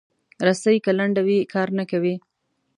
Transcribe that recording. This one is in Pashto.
رسۍ که لنډه وي، کار نه کوي.